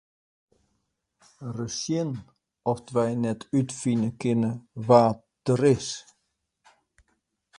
Ris sjen oft wy net útfine kinne wa't er is.